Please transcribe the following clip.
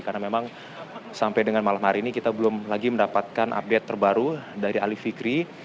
karena memang sampai dengan malam hari ini kita belum lagi mendapatkan update terbaru dari ali fikri